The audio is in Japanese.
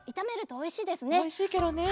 おいしいケロね。